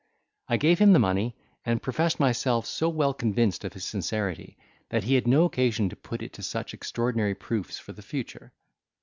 I gave him the money, and professed myself so well convinced of his sincerity, that he had no occasion to put it to such extraordinary proofs for the future.